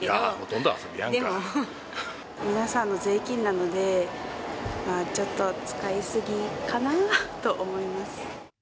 皆さんの税金なので、ちょっと使いすぎかなと思います。